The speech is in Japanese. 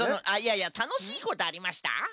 あいやいやたのしいことありました？